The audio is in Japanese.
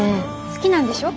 好きなんでしょ？